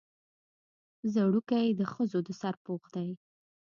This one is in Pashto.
ځړوکی د ښځو د سر پوښ دی